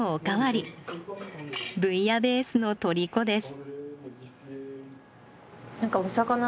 ブイヤベースのとりこです。